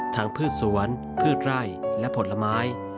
พืชสวนพืชไร่และผลไม้